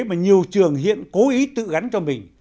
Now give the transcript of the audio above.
mà nhiều trường hiện cố ý tự gắn cho mình